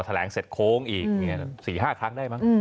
แถลงเสร็จโค้งอีกนี่สี่ห้าครั้งก็ได้มั้ง